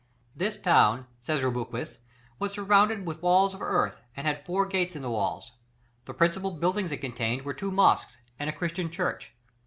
This town, says Rubruquis, was surrounded with walls of earth, and had four gates in the walls. The principal buildings it contained were two mosques and a Christian church.